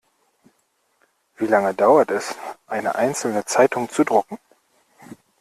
Wie lange dauert es, eine einzelne Zeitung zu drucken?